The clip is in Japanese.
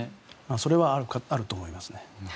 それはあると思いますね。